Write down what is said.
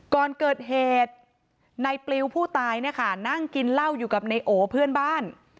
ก่อนเกิดเหตุในปลิวผู้ตายเนี่ยค่ะนั่งกินเหล้าอยู่กับนายโอเพื่อนบ้าน